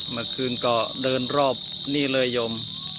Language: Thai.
เมื่อคืนก็เดินรอบนี่เลยยม